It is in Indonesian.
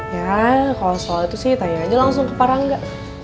ya kalau soal itu sih tanya aja langsung ke para enggak